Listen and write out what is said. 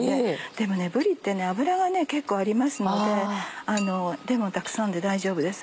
でもぶりって脂が結構ありますのでレモンたくさんで大丈夫です。